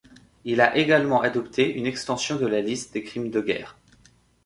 Il a également adopté une extension de la liste des crimes de guerre.